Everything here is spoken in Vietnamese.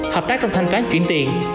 hợp tác trong thanh toán chuyển tiền